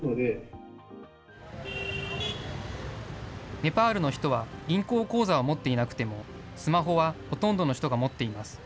ネパールの人は銀行口座を持っていなくても、スマホはほとんどの人が持っています。